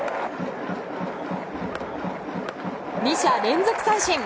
２者連続三振。